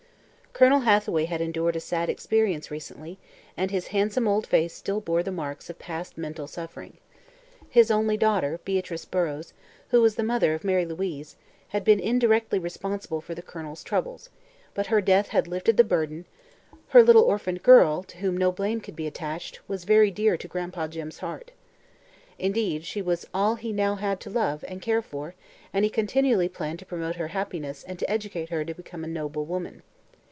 Colonel Hathaway had endured a sad experience recently and his handsome old face still bore the marks of past mental suffering. His only daughter, Beatrice Burrows, who was the mother of Mary Louise, had been indirectly responsible for the Colonel's troubles, but her death had lifted the burden; her little orphaned girl, to whom no blame could be attached, was very dear to "Gran'pa Jim's" heart. Indeed, she was all he now had to love and care for and he continually planned to promote her happiness and to educate her to become a noble woman.